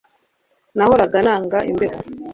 Nahoraga nanga imbeho